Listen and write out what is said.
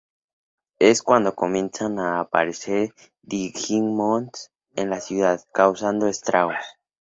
Es cuando comienzan a aparecer Digimons en la ciudad, causando estragos.